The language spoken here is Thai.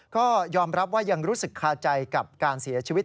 ก็ยอมรับว่ายังรู้สึกคาใจกับการเสียชีวิต